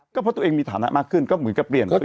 ก็เพราะตัวเองมีฐานะมากขึ้นก็เหมือนกับเปลี่ยน